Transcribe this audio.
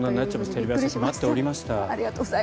テレビ朝日待っておりました。